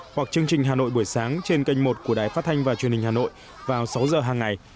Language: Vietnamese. hoặc chương trình hà nội buổi sáng trên kênh một của đài phát thanh và truyền hình hà nội vào sáu giờ hàng ngày